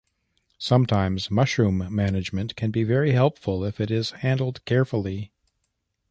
Sometimes, mushroom management can be very helpful if it is handled carefully.